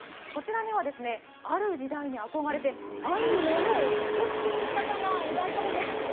こちらには、ある時代に憧れてあるものを作っている方がいらっしゃるんです。